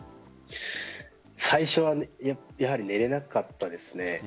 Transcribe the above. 最初はやはり寝れなかったですね。